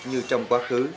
như trong quá khứ